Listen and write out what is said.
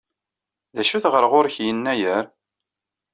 D acu-t ɣer ɣur-k Yennayer?